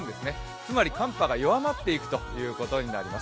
つまり寒波が弱まっていくということになります。